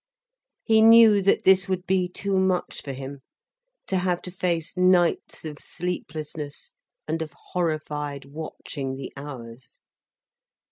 He knew that this would be too much for him, to have to face nights of sleeplessness and of horrified watching the hours.